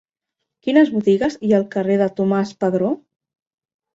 Quines botigues hi ha al carrer de Tomàs Padró?